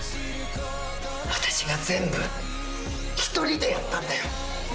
私が全部１人でやったんだよ。